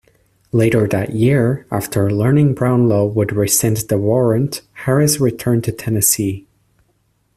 Later that year, after learning Brownlow would rescind the warrant, Harris returned to Tennessee.